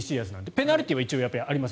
ペナルティーは一応あります。